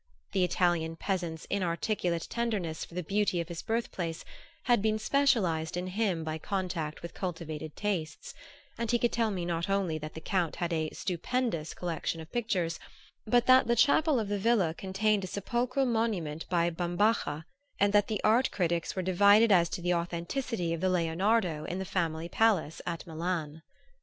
The Italian peasant's inarticulate tenderness for the beauty of his birthplace had been specialized in him by contact with cultivated tastes, and he could tell me not only that the Count had a "stupendous" collection of pictures, but that the chapel of the villa contained a sepulchral monument by Bambaja, and that the art critics were divided as to the authenticity of the Leonardo in the family palace at Milan.